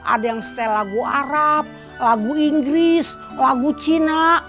ada yang style lagu arab lagu inggris lagu cina